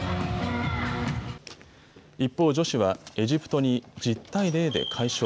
一方、女子はエジプトに１０対０で快勝。